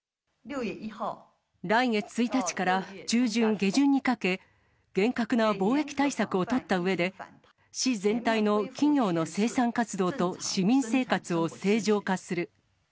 来月１日から中旬、下旬にかけ、厳格な防疫対策を取ったうえで、市全体の企業の生産活動と市民生活を正常化する。